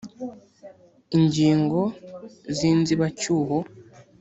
ingingo y’inzibacyuho